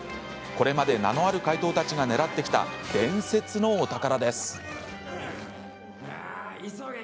これまで名のある怪盗たちが狙ってきた伝説のお宝です。